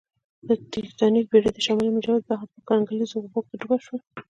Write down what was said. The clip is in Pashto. د ټیټانیک بېړۍ د شمالي منجمند بحر په کنګلیزو اوبو کې ډوبه شوه